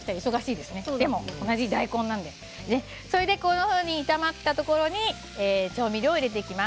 でも同じ大根なのでこんなふうに炒まったところで調味料を入れていきます。